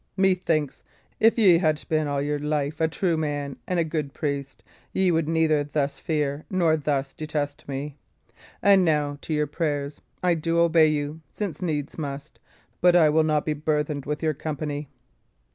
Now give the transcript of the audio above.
Methinks, if ye had been all your life a true man and good priest, ye would neither thus fear nor thus detest me. And now to your prayers. I do obey you, since needs must; but I will not be burthened with your company."